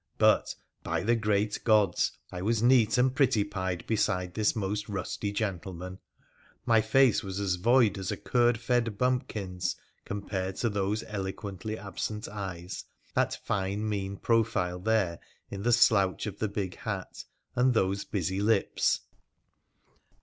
But, by the great gods ! I was neat and pretty pied beside this most rusty gentleman ; my face was as void as a curd fed bumpkin's, compared to those eloquently absent eyes, that fine, mean profile, there, in the slouch of the big hat, and those busy lips